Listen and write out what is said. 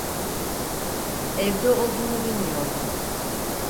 Evde olduğunu bilmiyordum.